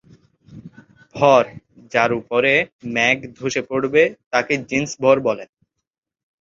ভর, যার উপরে মেঘ ধসে পড়বে তাকে জিন্স ভর বলে।